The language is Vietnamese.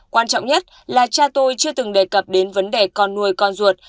quan trọng nhất là cha tôi chưa từng đề cập đến vấn đề con nuôi con ruột